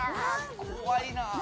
怖いな。